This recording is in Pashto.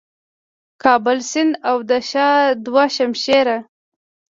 کابل سیند او د شاه دو شمشېره